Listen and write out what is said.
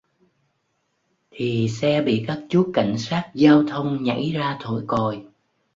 thì xe bị các chú cảnh sát giao thông nhảy ra thổi còi